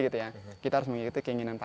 kita harus mengikuti keinginan pak